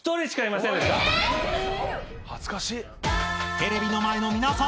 ［テレビの前の皆さん